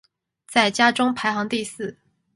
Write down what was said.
在家中排行第四。